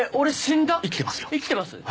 生きてますよ。